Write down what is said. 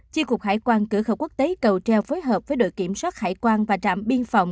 chi cục hải quan cửa khẩu quốc tế cầu treo phối hợp với đội kiểm soát hải quan và trạm biên phòng